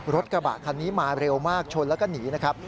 รถกระบะคันนี้มาเร็วมากชนแล้วก็หนีนะครับ